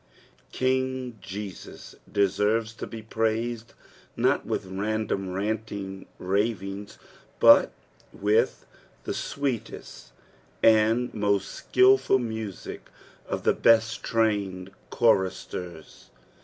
King Jesas deserves to be praised not leil/i random, raiUiiuj ravings, but with the tieeetest and tnost skilfvl music cf the best trained choristers.